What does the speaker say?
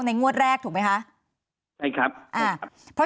ในงวดแรกถูกเปล่าไหมคะ